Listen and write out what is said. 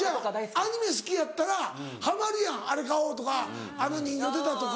じゃあアニメ好きやったらハマるやんあれ買おうとかあの人形出たとか。